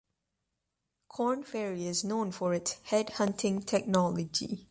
Korn Ferry is known for its "headhunting technology".